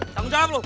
tanggung jawab lu